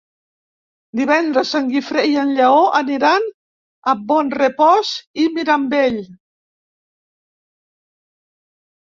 Divendres en Guifré i en Lleó aniran a Bonrepòs i Mirambell.